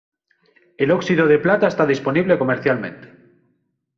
El óxido de plata está disponible comercialmente.